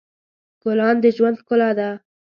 ګلان د ژوند ښکلا ده.